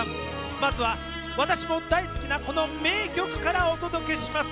まずは私も大好きなこの名曲からお届けします。